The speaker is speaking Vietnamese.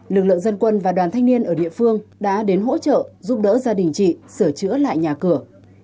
lực lượng dân quân và đoàn thanh niên ở địa phương đã đến hỗ trợ giúp đỡ gia đình chị sửa chữa lại nhà cửa